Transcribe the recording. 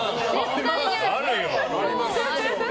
あるよ。